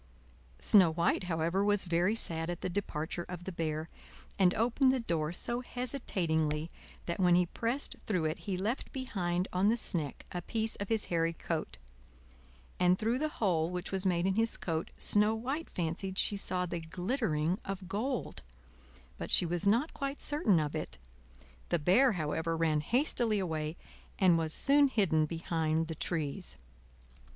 Snow White, however, was very sad at the departure of the Bear, and opened the door so hesitatingly that when he pressed through it he left behind on the sneck a piece of his hairy coat; and through the hole which was made in his coat Snow White fancied she saw the glittering of gold; but she was not quite certain of it. The Bear, however, ran hastily away, and was soon hidden behind the trees.